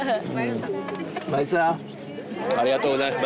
ありがとうございます。